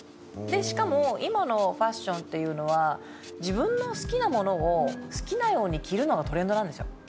しかも今のファッションっていうのは自分の好きなものを好きなように着るのがトレンドなんですよ。